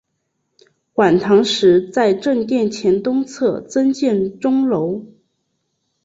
晚唐时在正殿前东侧增建钟楼。